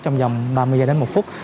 trong vòng ba mươi giờ đến một phút